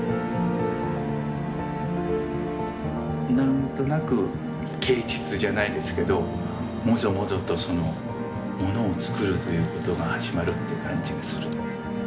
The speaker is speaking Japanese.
何となく啓蟄じゃないですけどモゾモゾとものを作るということが始まるっていう感じがする。